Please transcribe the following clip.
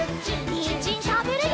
にんじんたべるよ！